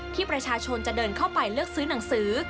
ที่ประชาชนจะเดินเข้าไปเลือกซื้อหนังสือ